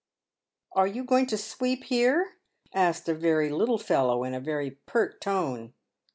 "Are you going to sweep here?" asked a very little fellow in a very pert tone.